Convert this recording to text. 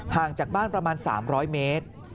ห่างจากบ้านประมาณ๓๐๐เมตร